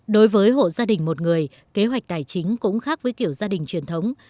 đối với hộ gia đình một người kế hoạch tài chính cũng khác với kiểu gia đình truyền thống